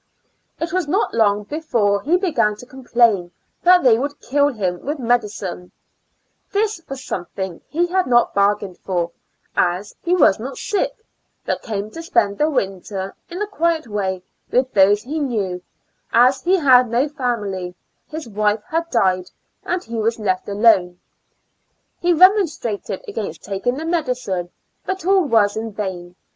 It was not long before he began to com plain that they would kill him with mcdi 152 ^^^^ YuAES AND Four Months cine; this was something he had not bar gained for, as he was not sick but came to spend the winter in a quiet way with those he knew, 'as he had no family, his wife had died and he was left alone. He remonstra ted against taking the medicine, but all was in vain.